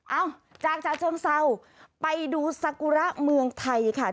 เอ้าจากฉะเชิงเศร้าไปดูซากุระเมืองไทยค่ะ